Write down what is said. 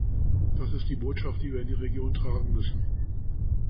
Das ist die Botschaft, die wir in die Region tragen müssen.